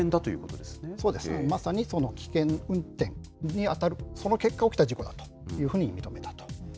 そうです、まさにその危険運転に当たる、その結果、起きた事故だというふうに認めたと。